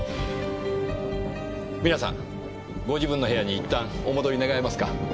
皆さんご自分の部屋にいったんお戻り願えますか？